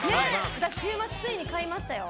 私、週末ついに買いましたよ。